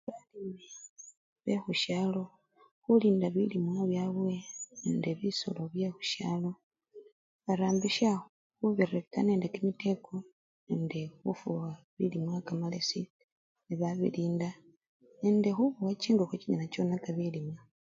Balimi bekhusyalo khulinda bilimwa byabwe nende bisolo byekhusyalo, barambisha khubireka nende kimiteko nende khufuwa bilimwa nekamalesi nebabilinda nende khubowa chingokho chinyala chonakisya bilimwa.